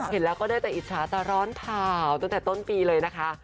เห็นแล้วก็ได้แต่อิจฉาแต่ร้อนข่าวตั้งแต่ต้นปีเลยนะคะ